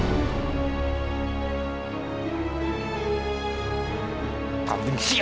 aku akan menyesal